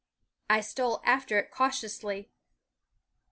I stole after it cautiously.